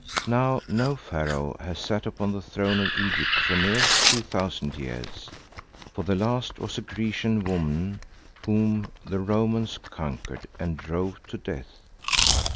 Now no Pharaoh has sat upon the throne of Egypt for near two thousand years, for the last was a Grecian woman whom the Romans conquered and drove to death.